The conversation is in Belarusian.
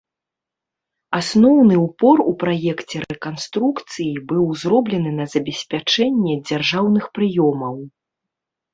Асноўны ўпор у праекце рэканструкцыі быў зроблены на забеспячэнне дзяржаўных прыёмаў.